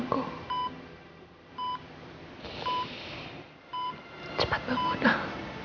aku cepat bangun ah